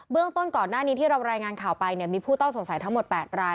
ต้นก่อนหน้านี้ที่เรารายงานข่าวไปมีผู้ต้องสงสัยทั้งหมด๘ราย